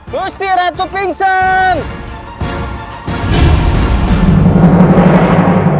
gusti ratu pingsan